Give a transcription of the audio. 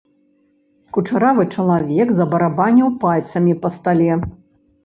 Кучаравы чалавек забарабаніў пальцамі па стале.